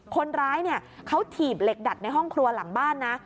คนร้ายเนี่ยเขาถีบเหล็กดัดในห้องครัวหลังบ้านนะ